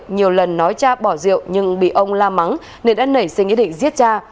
nhiều lần nói cha bỏ rượu nhưng bị ông la mắng nên đã nảy sinh ý định giết cha